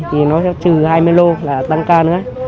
thì nó sẽ trừ hai mươi lô là tăng ca nữa